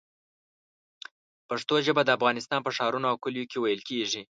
پښتو ژبه د افغانستان په ښارونو او کلیو کې ویل کېږي.